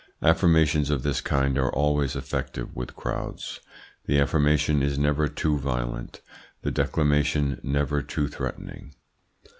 Affirmations of this kind are always effective with crowds. The affirmation is never too violent, the declamation never too threatening.